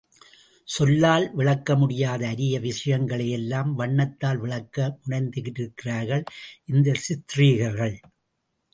சொல்லால் விளக்க முடியாத அரிய விஷயங்களை எல்லாம் வண்ணத்தால் விளக்க முனைந்திருக்கிறார்கள் இந்த சித்ரீகர்கள்.